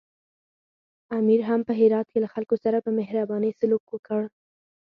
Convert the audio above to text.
امیر هم په هرات کې له خلکو سره په مهربانۍ سلوک وکړ.